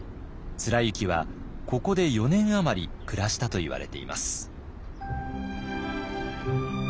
貫之はここで４年余り暮らしたといわれています。